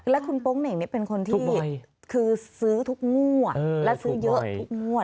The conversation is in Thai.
และคุณโป้งเหน่งเป็นคนที่ซื้อทุกงวดและทุกมวด